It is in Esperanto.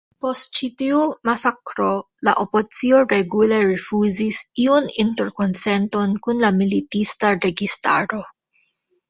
Post ĉi tiu masakro la opozicio regule rifuzis iun interkonsenton kun la militista registaro.